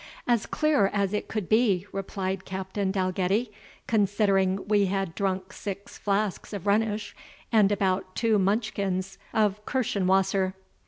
"As clear as it could be," replied Captain Dalgetty, "considering we had drunk six flasks of Rhenish, and about two mutchkins of Kirchenwasser.